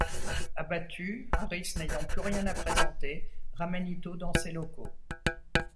Abattu, Harris, n'ayant plus rien à présenter, ramène Ito dans ses locaux.